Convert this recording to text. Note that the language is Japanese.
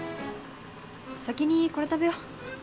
先にこれ食べよう。